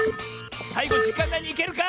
さいごじかんないにいけるか？